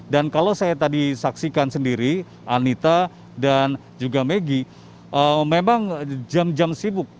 dan kalau saya tadi saksikan sendiri anita dan juga maggie memang jam jam sibuk